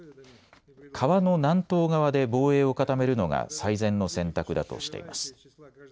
川の南東側で防衛を固めるのが最善の選択だとしています。